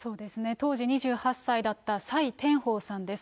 当時２８歳だった蔡天鳳さんです。